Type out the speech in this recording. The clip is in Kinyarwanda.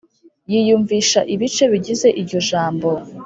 yiyumvisha ibice bigize iryo jambo,